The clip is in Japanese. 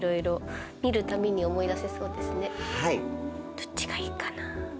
どっちがいいかな。